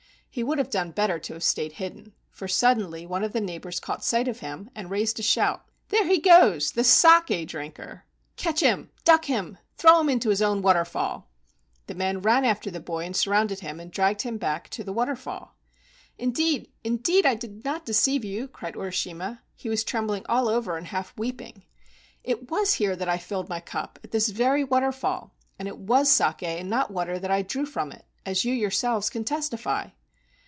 He would have done better to have stayed hidden, for suddenly one of the neighbors caught sight of him, and raised a shout. " There he goes! There he goes, the saki drinker. Catch him! Duck him ! Throw him into his own waterfall! " The men ran after the boy and surrounded him and dragged him back to the waterfall. " Indeed, indeed, I did not deceive you," cried Urishima. He was trembling all over, and half weeping. "It was here I filled my cup — at this very waterfall — and it was saki and not water that I drew from it, as you yourselves can testify."